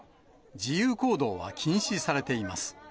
自由行動は禁止されています。